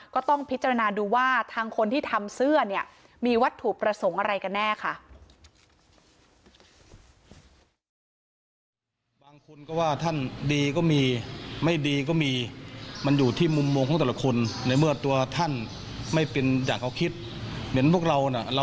ก็ต้องพิจารณาดูว่าทางคนที่ทำเสื้อเนี่ยมีวัตถุประสงค์อะไรกันแน่ค่ะ